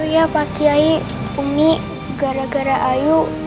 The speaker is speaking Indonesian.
ya pak kiai umi gara gara ayu